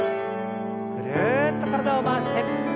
ぐるっと体を回して。